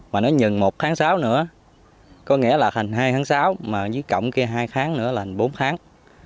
mà nó nhần một tháng sáu nữa có nghĩa là thành hai tháng sáu mà dưới cộng kia hai tháng nữa là bốn tháng